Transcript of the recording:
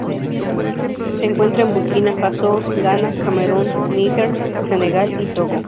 Se encuentra en Burkina Faso, Ghana, Camerún, Níger, Senegal y Togo.